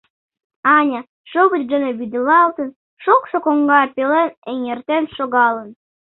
Аня, шовыч дене вӱдылалтын, шокшо коҥга пелен эҥертен шогалын.